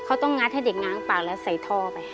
เขาต้องงัดให้เด็กง้างปากแล้วใส่ท่อไป